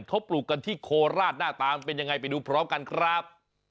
เขาปลูกกันที่โคราชหน้าตามันเป็นยังไงไปดูพร้อมกันครับ